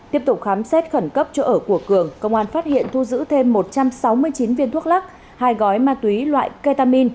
tiếp tục khám xét khẩn cấp chỗ ở của cường công an phát hiện thu giữ thêm một trăm sáu mươi chín viên thuốc lắc hai gói ma túy loại ketamin